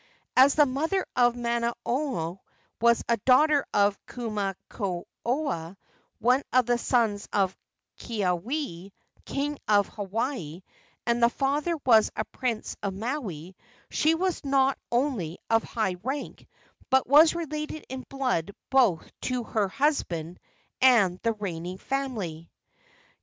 As the mother of Manono was a daughter of Kumukoa, one of the sons of Keawe, king of Hawaii, and her father was a prince of Maui, she was not only of high rank, but was related in blood both to her husband and the reigning family.